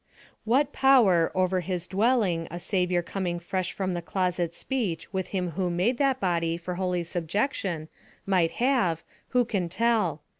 What power over his own dwelling a Saviour coming fresh from the closest speech with him who made that body for holy subjection, might have, who can tell!